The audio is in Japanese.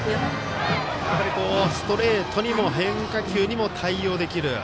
やっぱり、ストレートにも変化球にも対応できる。